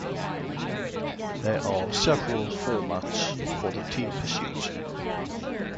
There are several formats for the team pursuit.